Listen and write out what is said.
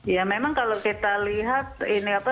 ya memang kalau kita lihat ini apa